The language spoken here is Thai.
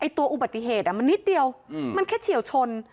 ตัวอุบัติเหตุมันนิดเดียวมันแค่เฉียวชน